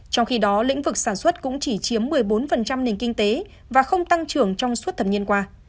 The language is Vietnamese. trong khi đó lĩnh vực sản xuất cũng chỉ chiếm một mươi bốn nền kinh tế và không tăng trưởng trong suốt thập niên qua